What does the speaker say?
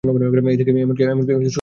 এমনকি শ্রুতির সঙ্গে?